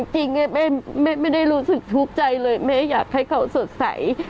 แม่ไม่ได้รู้สึกทุกข์ใจเลยแม่อยากให้เขาสดใส